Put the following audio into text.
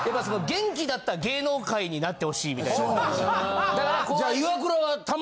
元気だった芸能界になってほしいみたいな。